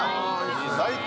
最高。